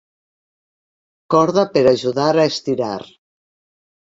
Corda per ajudar a estirar.